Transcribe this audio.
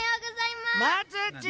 まつっち！